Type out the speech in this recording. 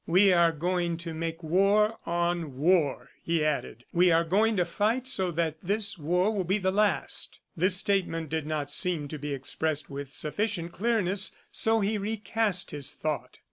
"We are going to make war on War," he added. "We are going to fight so that this war will be the last." This statement did not seem to be expressed with sufficient clearness, so he recast his thought.